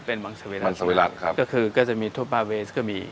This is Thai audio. เป็นมังสวิรัมสวิรัติครับก็คือก็จะมีทุปาเวสก็มี